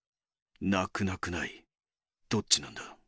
なくなくないどっちなんだ。